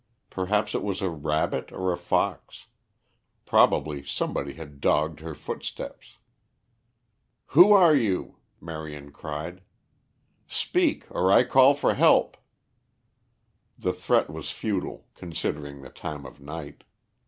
Perhaps it was a rabbit or a fox. Probably somebody had dogged her footsteps. "Who are you?" Marion cried. "Speak, or I call for help." The threat was futile, considering the time of night.